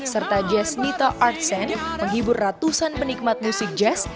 serta jazz nita artssen menghibur ratusan penikmat musik jazz